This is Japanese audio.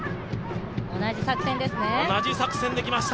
同じ作戦ですね。